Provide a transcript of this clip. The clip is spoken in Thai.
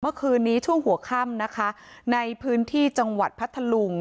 เมื่อคืนนี้ช่วงหัวค่ำนะคะในพื้นที่จังหวัดพัทธลุง